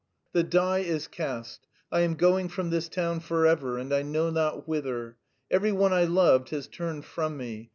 _ The die is cast; I am going from this town forever and I know not whither. Every one I loved has turned from me.